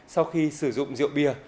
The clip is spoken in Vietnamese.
sau khi sử dụng rượu bia